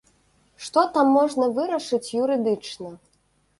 Што там можна вырашыць юрыдычна?